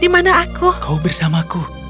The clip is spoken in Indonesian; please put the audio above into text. mana aku kau bersamaku